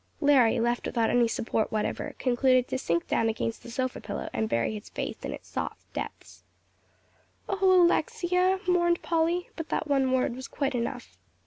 Larry, left without any support whatever, concluded to sink down against the sofa pillow and bury his face in its soft depths. "Oh, Alexia!" mourned Polly, but that one word was quite enough.